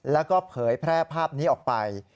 แล้วก็เผยแพร่ภาพนี้ออกไป